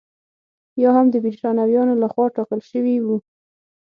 یا هم د برېټانویانو لخوا ټاکل شوي وو.